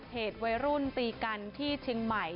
เหตุวัยรุ่นตีกันที่เชียงใหม่